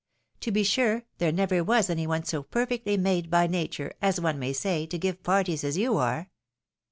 To be sure there never was any one so per fectly made by nature, as one may say, to give parties as you are.